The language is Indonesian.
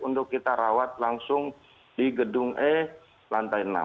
untuk kita rawat langsung di gedung e lantai enam